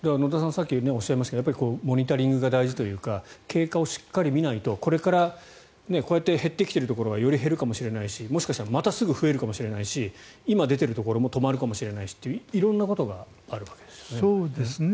さっきおっしゃいましたがモニタリングが大事というか経過をしっかり見ないとこれからこうやって減ってきているところはより減るかもしれないしもしかしたらまたすぐ増えるかもしれないし今出てるところもまた止まるかもしれないし色んなことがあるかもしれないと。